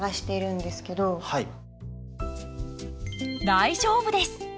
大丈夫です。